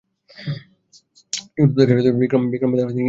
YouTube থেকে ভিক্রম ভেদা হিন্দী ডাবডটা সরিয়ে দিয়েছে।